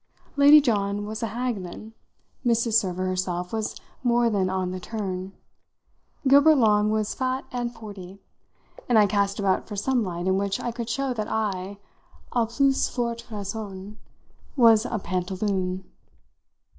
Lady John was a hag, then; Mrs. Server herself was more than on the turn; Gilbert Long was fat and forty; and I cast about for some light in which I could show that I à plus forte raison was a pantaloon.